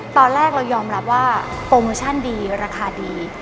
ตอนแรกเรายอมรับว่าโปรโมชั่นดีราคาดี